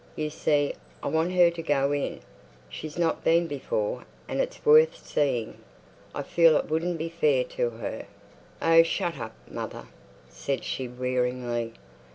You see, I want her to go in. She's not been before, and it's worth seeing. I feel it wouldn't be fair to her." "Oh, shut up, mother," said she wearily.